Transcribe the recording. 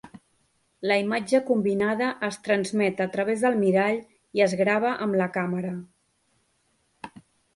La imatge combinada es transmet a través del mirall i es grava amb la càmera.